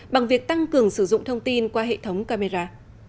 bằng việc tăng cường sử dụng thông tin qua hệ thống camera